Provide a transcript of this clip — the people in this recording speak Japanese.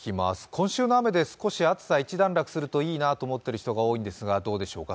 今週の雨で少し暑さ、一段落するといいなと思っている人多いと思いますがどうでしょうか